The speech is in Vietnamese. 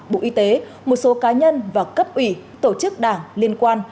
bộ y tế một số cá nhân và cấp ủy tổ chức đảng liên quan